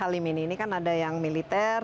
kalau kita lihat di halim ini ini kan ada yang militer